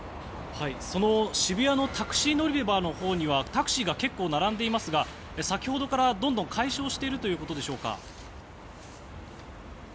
渋谷のタクシー乗り場のほうにはタクシーが結構並んでいますが先ほどからどんどん解消しているということでしょうか？